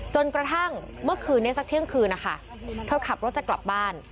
จนกระทั่งเมื่อคืนนี้สักเที่ยงคืนนะคะเธอขับรถจะกลับบ้าน